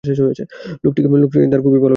লোকটিকে তার খুবই ভাল লেগেছিল।